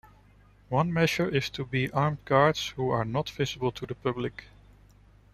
One measure is to be armed guards who are not visible to the public.